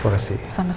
mereka sangat marah